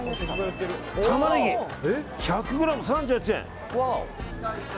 タマネギ１００ｇ、３８円！